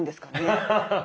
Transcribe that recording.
アハハハ